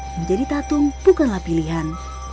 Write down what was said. menjadi tatung bukanlah pilihan